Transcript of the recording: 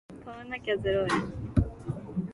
買わなきゃゼロ円